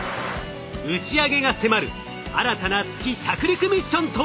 打ち上げが迫る新たな月着陸ミッションとは？